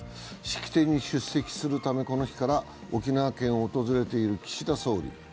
式典に出席するため、この日から沖縄県を訪れている岸田総理。